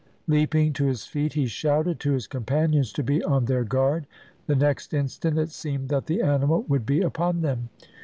Leaping to his feet, he shouted to his companions to be on their guard; the next instant it seemed that the animal would be upon them.